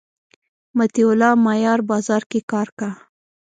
مطیع الله مایار بازار کی کار کا